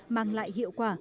mang lại hiệu quả